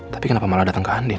tapi kenapa malah datang ke andi